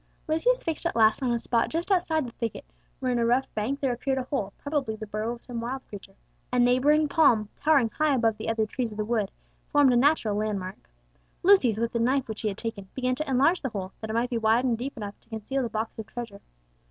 Lucius fixed at last on a spot just outside the thicket, where in a rough bank there appeared a hole, probably the burrow of some wild creature. A neighbouring palm, towering high above the other trees of the wood, formed a natural landmark. Lucius, with the knife which he had taken, began to enlarge the hole, that it might be wide and deep enough to conceal the box of treasure.